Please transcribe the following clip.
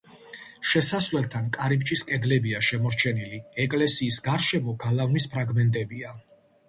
შესასვლელთან კარიბჭის კედლებია შემორჩენილი, ეკლესიის გარშემო გალავნის ფრაგმენტებია.